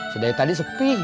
sejak tadi sepi